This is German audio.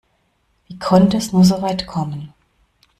Wie konnte es nur so weit kommen?